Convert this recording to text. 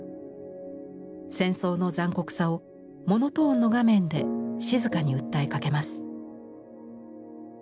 戦争の残酷さをモノトーンの画面で静かに訴えかけます。